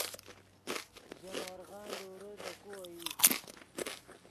ژے مورغن لورے دے کو اوئی